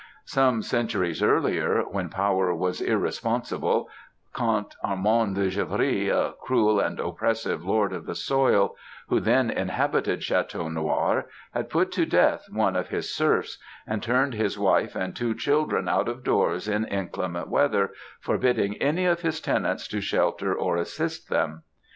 "Some centuries earlier, when power was irresponsible, Count Armand de Givry, a cruel and oppressive lord of the soil, who then inhabited Château Noir, had put to death one of his serfs, and turned his wife and two children out of doors in inclement weather, forbidding any of his tenants to shelter or assist them.